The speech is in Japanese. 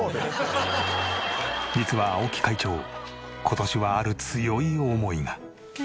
実は青木会長今年はある強い思いが。